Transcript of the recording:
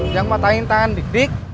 yang patahin tangan dik dik